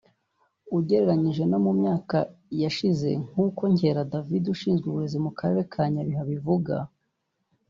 ugereranyije no mu myaka yashize nk’uko Nkera David ushinzwe uburezi mu Karere ka Nyabihu abivuga